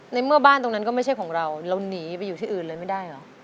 ในเมื่อบ้านตรงนั้นก็ไม่ใช่ของเราเราหนีไปอยู่ที่อื่นเลยไม่ได้เหรอ